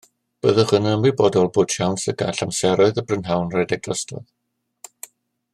Byddwch yn ymwybodol bod siawns y gall amseroedd y prynhawn rhedeg drosodd